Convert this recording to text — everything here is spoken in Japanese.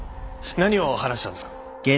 何を話したんですか？